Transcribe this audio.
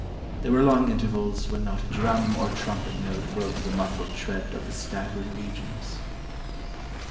There were long intervals when not a drum or trumpet note broke the mufBed tread of the staggering legions."